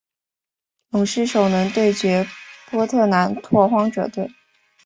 勇士首轮对决波特兰拓荒者队。